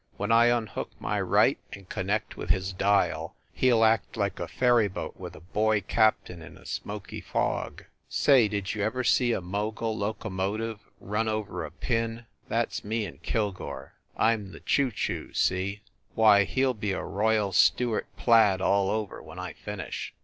When I unhook my right and connect with his dial, he ll act like a ferry boat with a boy captain in a smoky fog. Say, did you ever see a Mogul locomotive run over a pin ? That s me and Kilgore. I m the choo choo, see? Why, he ll be a Royal Stuart plaid all over when I finish.